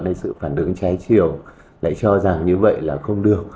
hay sự phản ứng trái chiều lại cho rằng như vậy là không được